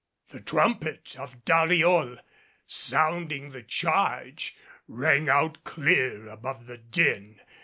The trumpet of Dariol, sounding the charge, rang out clear above the din.